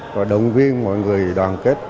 và động viên mọi người đoàn kết